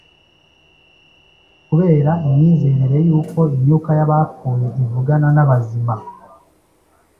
Kubera imyizerere y’uko imyuka y’abapfuye ivugana n’abazima